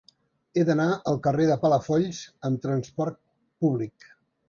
He d'anar al carrer de Palafolls amb trasport públic.